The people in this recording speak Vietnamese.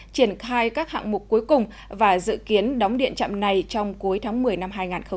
triển khai các hạng mục cuối cùng và dự kiến đóng điện trạm này trong cuối tháng một mươi năm hai nghìn hai mươi